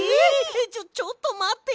ちょちょっとまって！